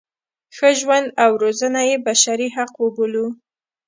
ښه ژوند او روزنه یې بشري حق وبولو.